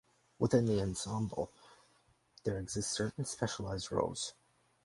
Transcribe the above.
Within the ensemble there exist certain specialized roles.